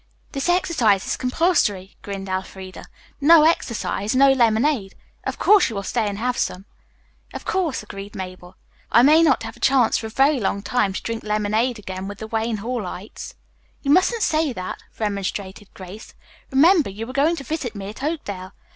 "This exercise is compulsory," grinned Elfreda. "No exercise, no lemonade. Of course, you will stay and have some." "Of course," agreed Mabel. "I may not have a chance for a very long time to drink lemonade again with the Wayne Hallites." "You mustn't say that," remonstrated Grace. "Remember, you are going to visit me at Oakdale.